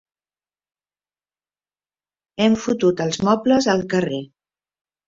Hem fotut els mobles al carrer.